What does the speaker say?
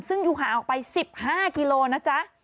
ซึ่งอยู่ห่างออกไป๑๕กิโลนะจ๊ะ